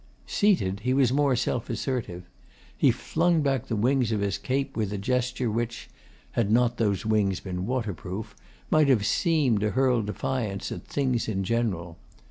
Seated, he was more self assertive. He flung back the wings of his cape with a gesture which had not those wings been waterproof might have seemed to hurl defiance at things in general.